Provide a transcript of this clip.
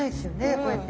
こうやってね。